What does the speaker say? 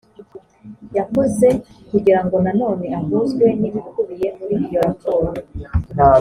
yakoze kugirango na none ahuzwe n ‘ibikubiye muri iyo raporo